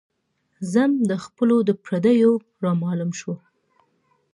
ذم د خپلو د پرديو را معلوم شو